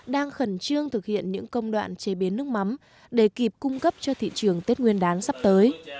đang khẩn trương thực hiện những công đoạn chế biến nước mắm để kịp cung cấp cho thị trường tết nguyên đán sắp tới